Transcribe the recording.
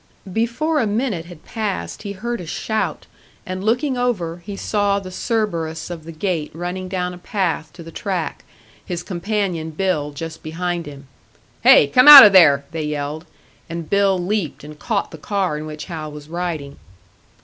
Before a minute had passed he heard a shout, and looking over, he saw the Cerberus of the gate running down a path to the track, his companion, Bill, just behind him. "Hey! come out of there!" they yelled; and Bill leaped, and caught the car in which Hal was riding.